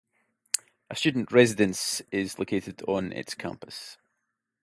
A student residence is located on its campus.